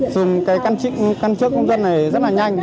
cảm thấy bất ngờ vì dùng căn trước công dân này rất là nhanh